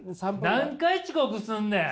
何回遅刻すんねん！